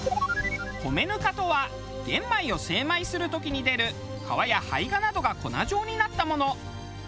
米ぬかとは玄米を精米する時に出る皮や胚芽などが粉状になったもの。